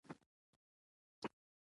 ګرامر په پارسي ژبه لیکل شوی دی.